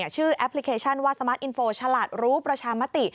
ชื่อแอปพลิเคชันวาสมัติอินโฟฉลาดรู้ประชามติ